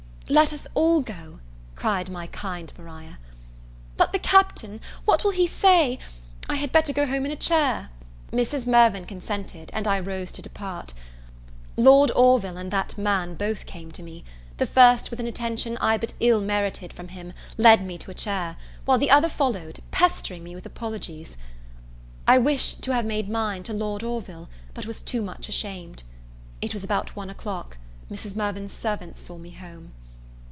"Let us all go," cried my kind Maria. "But the Captain, what will he say I had better go home in a chair." Mrs. Mirvan consented, and I rose to depart. Lord Orville and that man both came to me. The first, with an attention I but ill merited from him, led me to a chair; while the other followed, pestering me with apologies. I wished to have made mine to Lord Orville, but was too much ashamed. It was about one o'clock. Mrs. Mirvan's servants saw me home.